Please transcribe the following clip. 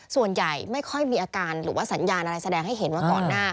ส่วนใหญ่ไม่ค่อยมีอาการหรือว่าสัญญาณอะไรแสดงให้เห็นว่าก่อนหน้า